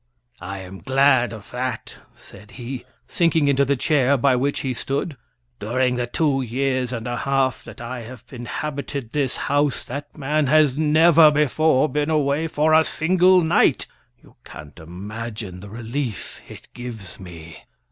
"I am glad of that," said he, sinking into the chair by which he stood. "During the two years and a half that I have inhabited this house, that man has never before been away for a single night. You can't imagine the relief it gives me."